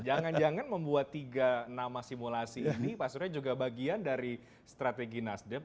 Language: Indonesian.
jangan jangan membuat tiga nama simulasi ini pak surya juga bagian dari strategi nasdem